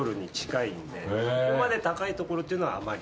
ここまで高いところというのはあまり。